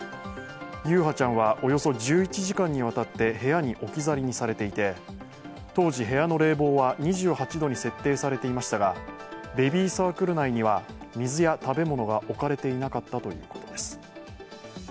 優陽ちゃんは、およそ１１時間にわたって部屋に置き去りにされていて、当時部屋の冷房は２８度に設定されていましたがベビーサークル内には水や食べ物が置かれていなかったということです。